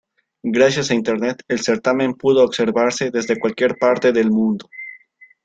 Gracias a internet, el certamen pudo observarse desde cualquier parte del mundo.